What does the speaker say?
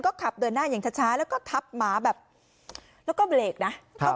ก็ขับเดินหน้าอย่างช้าแล้วก็ทับหมาแบบแล้วก็เบรกนะ